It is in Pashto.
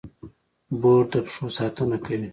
بوټ د پښو ساتنه کوي.